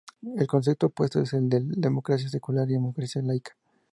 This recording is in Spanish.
El concepto opuesto es del de democracia secular o democracia laica.